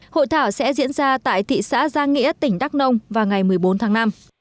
hội thảo sẽ diễn ra tại thị xã giang nghĩa tỉnh đắk nông vào ngày một mươi bốn tháng năm